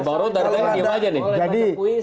bang roto dari tadi ngomong aja nih